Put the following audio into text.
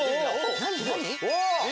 何何？